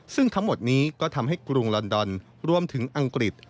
ซึ่งทั้งหมดนี้ก็ทำให้กรุงลอนดอนรวมถึงอังกฤษ